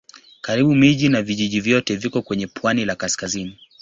Karibu miji na vijiji vyote viko kwenye pwani la kaskazini.